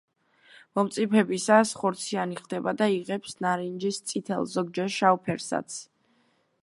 მომწიფებისას ხორციანი ხდება და იღებს ნარინჯის, წითელ, ზოგჯერ შავ ფერსაც.